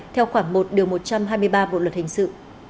theo khoảng một điều một trăm hai mươi ba bộ luật hình sự